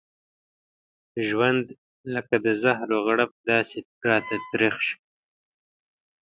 ژوند لکه د زهرو غړپ داسې راته تريخ شو.